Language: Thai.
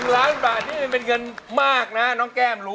๑ล้านบาทนี่เป็นเงินมากนะน้องแก้มรู้